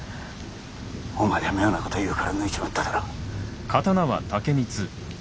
お前が妙なこと言うから抜いちまっただろ。